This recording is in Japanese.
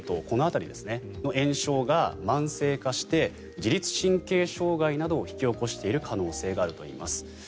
この辺りの炎症が慢性化して自律神経障害などを引き起こしている可能性があるといいます。